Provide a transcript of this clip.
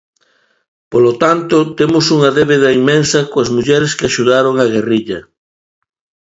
Polo tanto, temos unha débeda inmensa coas mulleres que axudaron a guerrilla.